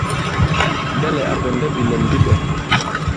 Ɓɛlɛ̀ à pɛ̀ndɛ bìlɛm bi ɓɛ̄.